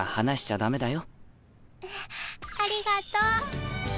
ありがとう。